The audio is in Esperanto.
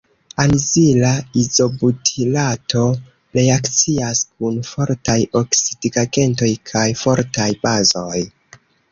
Anizila izobutirato reakcias kun fortaj oksidigagentoj kaj fortaj bazoj.